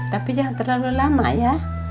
tapi jangan terlalu lama ya